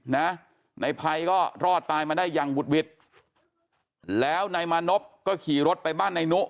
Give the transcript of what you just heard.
นายภัยก็รอดตายมาได้อย่างวุดวิดแล้วนายมานพก็ขี่รถไปบ้านนายนุ